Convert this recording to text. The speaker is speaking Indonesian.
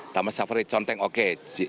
taman safari conteng oke